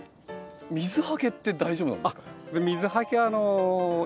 水はけって大丈夫なんですか？